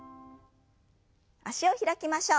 脚を開きましょう。